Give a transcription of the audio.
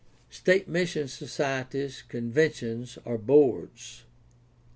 State mission societies, conventions, or boards.